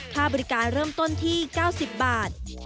ค่าบริการเริ่มต้นที่๙๐บาท